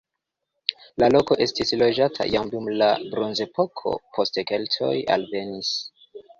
La loko estis loĝata jam dum la bronzepoko, poste keltoj alvenis.